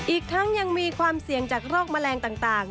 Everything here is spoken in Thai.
อีกทั้งยังมีความเสี่ยงจากโรคแมลงต่าง